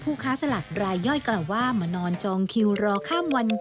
ค้าสลากรายย่อยกล่าวว่ามานอนจองคิวรอข้ามวัน